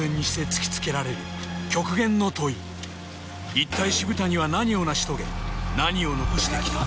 一体渋谷は何を成し遂げ何を残してきた？